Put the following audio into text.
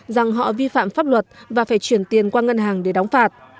rằng họ vi phạm pháp luật và phải chuyển tiền qua ngân hàng để đóng phạt